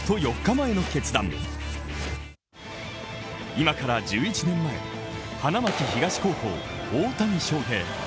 今から１１年前、花巻東高校・大谷翔平。